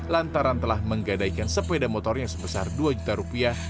lantaran telah menggadaikan sepeda motornya sebesar dua juta rupiah